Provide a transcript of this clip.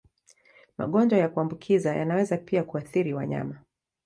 Magonjwa ya kuambukiza yanaweza pia kuathiri wanyama.